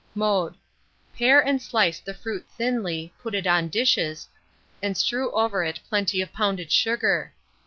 Mode. Pare and slice the fruit thinly, put it on dishes, and strew over it plenty of pounded sugar.